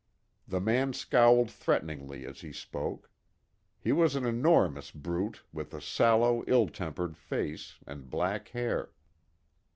The man scowled threateningly as he spoke. He was an enormous brute with a sallow, ill tempered face, and black hair.